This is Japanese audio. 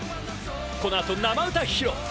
この後、生歌披露。